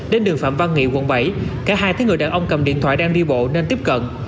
đến đường phạm văn nghị quận bảy cả hai thấy người đàn ông cầm điện thoại đang đi bộ nên tiếp cận